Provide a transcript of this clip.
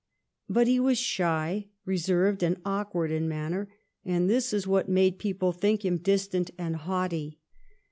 But he was shy, reserved, and awkward in manner, and this was what made people think him distant and haughty.